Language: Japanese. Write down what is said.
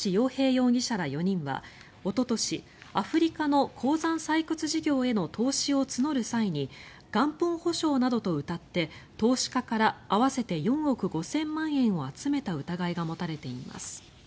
容疑者ら４人はおととしアフリカの鉱山採掘事業への投資を募る際に元本保証などとうたって投資家から合わせて４億５０００万円を集めた疑いが持たれています。